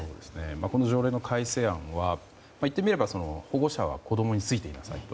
この条例の改正案はいってみれば保護者は子供についていなさいと。